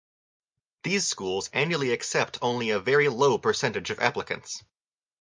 These schools annually accept only a very low percentage of applicants.